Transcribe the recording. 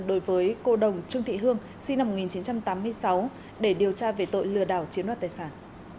đối với cô đồng trương thị hương sinh năm một nghìn chín trăm tám mươi sáu để điều tra về tội lừa đảo chiếm đoạt tài sản